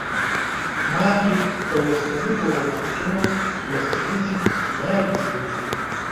مالګې په مختلفو ولانسونو مختلفې مالګې جوړې کړي.